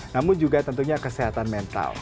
namun juga tentunya kesehatan mental